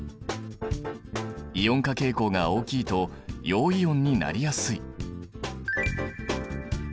イオン化傾向が大きいと陽イオンになりやすい。